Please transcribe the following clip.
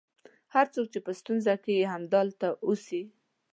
هر څوک چې په ستونزه کې یې همدلته اوسي.